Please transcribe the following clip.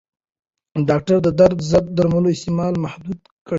ډاکټران د درد ضد درملو استعمال محدود کړی.